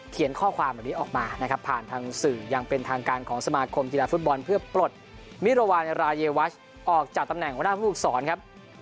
ข้อความแบบนี้ออกมานะครับผ่านทางสื่ออย่างเป็นทางการของสมาคมกีฬาฟุตบอลเพื่อปลดมิรวรรณรายวัชออกจากตำแหน่งหัวหน้าผู้ฝึกศรครับ